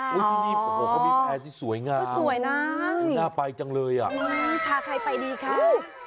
โอ้โฮก็มีแผนที่สวยงามน่าไปจังเลยอ่ะพาใครไปดีค่ะโอ้โฮ